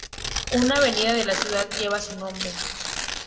Una avenida de la ciudad lleva su nombre.